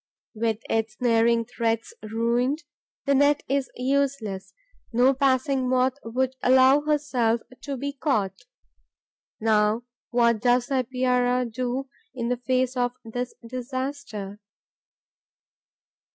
With its snaring threads ruined, the net is useless; no passing Moth would allow herself to be caught. Now what does the Epeira do in the face of this disaster?